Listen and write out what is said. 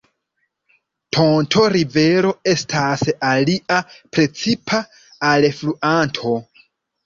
Tonto-Rivero estas alia precipa alfluanto.